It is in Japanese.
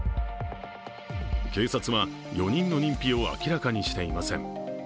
警察は４人の認否を明らかにしていません。